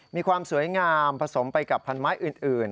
มีความสวยงามผสมไปกับพันไม้อื่น